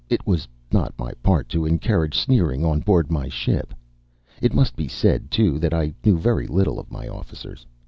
It was not my part to encourage sneering on board my ship. It must be said, too, that I knew very little of my officers.